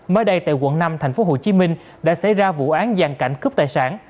mới đây tại quận năm tp hcm đã xảy ra vụ án giàn cảnh cướp tài sản